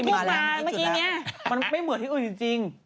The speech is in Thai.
มันไม่เหมือนที่อื่นจริง